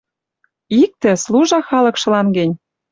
Иктӹ — служа халыкшылан гӹнь